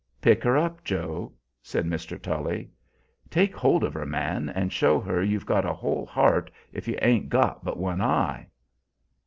"Pick her up, Joe," said Mr. Tully. "Take hold of her, man, and show her you've got a whole heart if you ain't got but one eye."